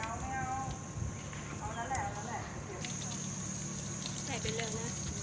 สุดท้ายสุดท้ายสุดท้าย